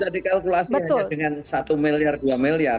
tidak dikalkulasi hanya dengan satu miliar dua miliar